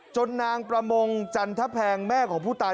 นางประมงจันทแพงแม่ของผู้ตาย